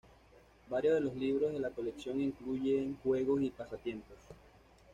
Varios de los libros de la colección incluyen juegos y pasatiempos.